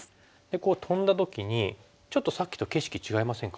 こうトンだ時にちょっとさっきと景色違いませんか？